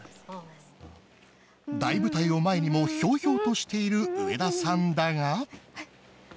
大舞台を前にもひょうひょうとしている上田さんだが。